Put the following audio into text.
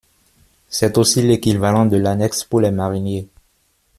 C'est aussi l'équivalent de l'annexe pour les mariniers.